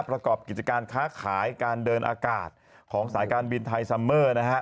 ประกอบกิจการค้าขายการเดินอากาศของสายการบินไทยซัมเมอร์นะฮะ